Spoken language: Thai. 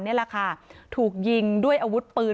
นี่แหละค่ะถูกยิงด้วยอาวุธปืน